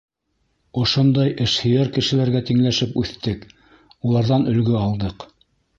Ошондай эшһөйәр кешеләргә тиңләшеп үҫтек, уларҙан өлгө алдыҡ.